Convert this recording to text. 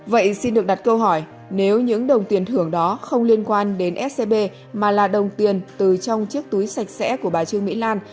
vậy xin được đặt câu hỏi nếu những đồng tiền thưởng đó không liên quan đến scb mà là đồng tiền từ trong chiếc túi sạch sẽ của bà trương mỹ lan